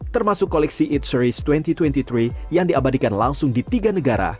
termasuk koleksi ⁇ its ⁇ series dua ribu dua puluh tiga yang diabadikan langsung di tiga negara